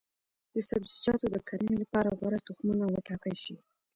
د سبزیجاتو د کرنې لپاره غوره تخمونه وټاکل شي.